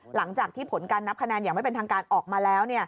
หลังจากที่ผลการนับคะแนนอย่างไม่เป็นทางการออกมาแล้ว